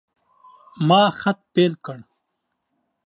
ما خط پیل کړ.